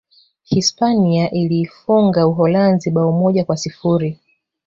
Hispania iliifunga Uholanzi bao moja kwa sifuri